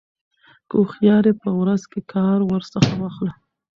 كه هوښيار يې په ورځ كار ورڅخه واخله